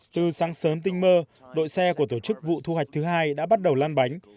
từ sáng sớm tinh mơ đội xe của tổ chức vụ thu hoạch thứ hai đã bắt đầu lan bánh